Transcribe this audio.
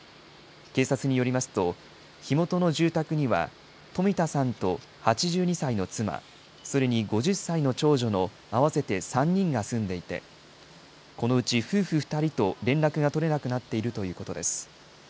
警察によりますと、火元の住宅には冨田さんと８２歳の妻、それに５０歳の長女の合わせて３人が住んでいて、このうち夫婦２人と連絡が取れなくなっているということです。